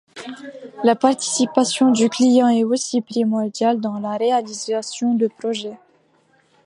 La participation du client est aussi primordiale dans la réalisation de projet.